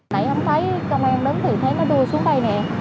nãy không thấy công an đứng thử thấy nó đua xuống đây nè